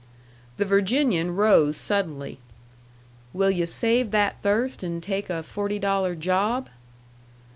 The Virginian rose suddenly. "Will yu' save that thirst and take a forty dollar job?"